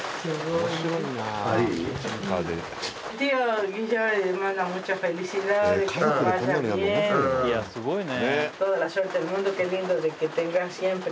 いやすごいね。